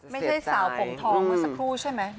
ไม่ใช่สาวผมทองเมื่อสักครู่ใช่ไหม